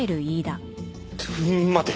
待て。